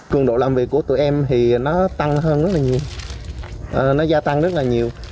cường độ làm việc của tụi em thì nó tăng hơn rất là nhiều nó gia tăng rất là nhiều